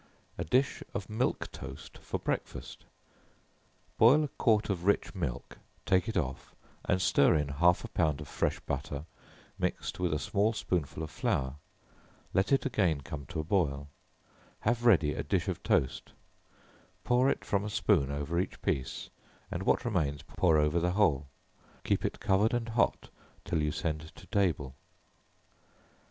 A Dish of Milk Toast for Breakfast. Boil a quart of rich milk, take it off, and stir in half a pound of fresh butter, mixed with a small spoonful of flour, let it again come to a boil; have ready a dish of toast, pour it from a spoon over each piece, and what remains, pour over the whole, keep it covered and hot, till you send to table.